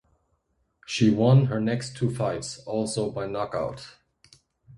She won her next two fights, also by knockout.